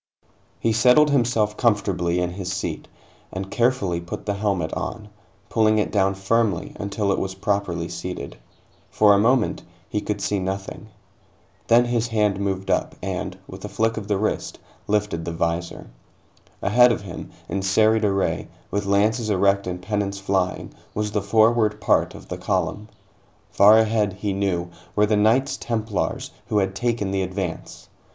He settled himself comfortably in his seat, and carefully put the helmet on, pulling it down firmly until it was properly seated. For a moment, he could see nothing. Then his hand moved up and, with a flick of the wrist, lifted the visor. Ahead of him, in serried array, with lances erect and pennons flying, was the forward part of the column. Far ahead, he knew, were the Knights Templars, who had taken the advance.